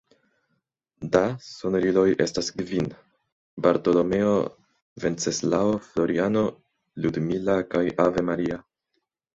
Da sonoriloj estas kvin: Bartolomeo, Venceslao, Floriano, Ludmila kaj Ave Maria.